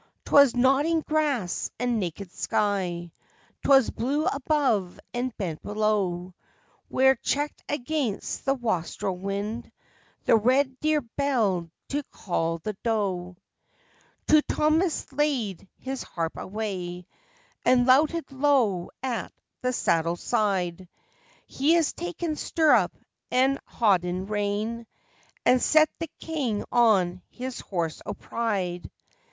_'Twas nodding grass and naked sky, 'Twas blue above and bent below, Where, checked against the wastrel wind, The red deer belled to call the doe._ True Thomas laid his harp away, And louted low at the saddle side; He has taken stirrup and hauden rein, And set the King on his horse o' pride.